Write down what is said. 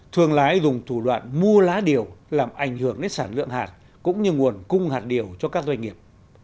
thường lái dùng thủ đoạn mua lá điều làm ảnh hưởng đến sản lượng hạt cũng như nguồn cung hạt điều cho các doanh nghiệp